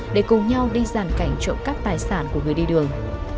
để cùng nhau đi giàn cảnh trộm cắp tài sản của người đi đường